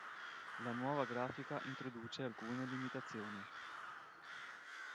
La nuova grafica introduce alcune limitazioni.